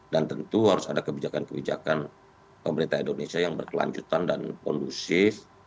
tentu harus ada kebijakan kebijakan pemerintah indonesia yang berkelanjutan dan kondusif